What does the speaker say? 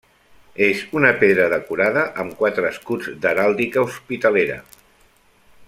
És una pedra decorada amb quatre escuts d'heràldica hospitalera.